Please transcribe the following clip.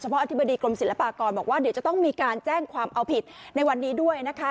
เพราะอธิบดีกรมศิลปากรบอกว่าเดี๋ยวจะต้องมีการแจ้งความเอาผิดในวันนี้ด้วยนะคะ